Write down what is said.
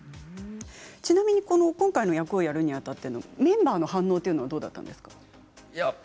ちなみに今回の役をやるにあたってのメンバーの反応はどうだったんですか？